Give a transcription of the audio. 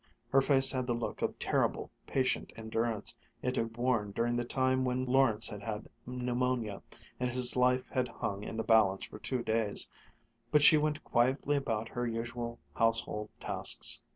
Her face had the look of terrible, patient endurance it had worn during the time when Lawrence had had pneumonia, and his life had hung in the balance for two days; but she went quietly about her usual household tasks.